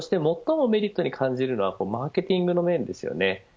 そして、最もメリットに感じるのはマーケティングの面ですよね。